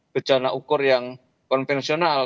bencana ukur yang konvensional